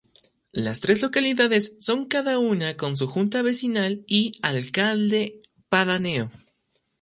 Las tres localidades son cada una con su Junta Vecinal y Alcalde Pedáneo.